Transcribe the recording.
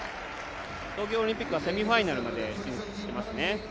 東京オリンピックはセミファイナルまで進んでますね。